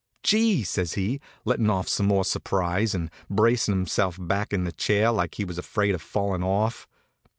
"Gee!" says he, lettin' off some more surprise, and bracin' himself back in the chair like he was afraid of falling off.